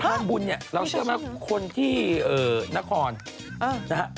ทำบุญเนี่ยเราเชื่อไหมคนที่นครนะฮะ